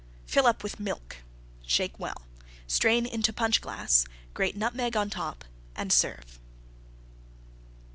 Fill up with Milk; shake well; strain into Punch glass; grate Nutmeg on top and serve.